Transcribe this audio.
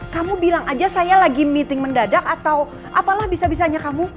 kamu bilang aja saya lagi meeting mendadak atau apalah bisa bisanya kamu